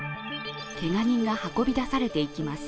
けが人が運び出されていきます。